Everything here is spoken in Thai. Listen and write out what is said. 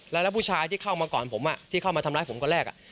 แล้วผู้ชายที่เข้ามาก่อนผมที่เข้ามาทำร้ายผมคนแรก